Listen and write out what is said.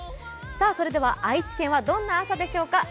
それでは愛知県はどんな朝でしょうか。